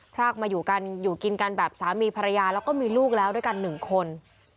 พรากมาอยู่กินกันแบบสามีก็มีลูกแล้วด้วยกัน๑คน